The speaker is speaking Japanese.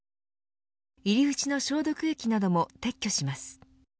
入り口の消毒液なども撤去します。